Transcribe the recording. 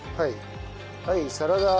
はいサラダ油。